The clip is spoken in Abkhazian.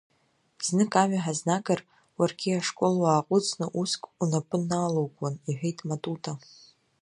Знык амҩа ҳазнагар, уаргьы ашкол уааҟәыҵны уск унапы налоукуан, — иҳәеит Матута.